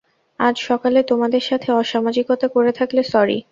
আজ সকালে তোমাদের সাথে অসামাজিকতা করে থাকলে সরি।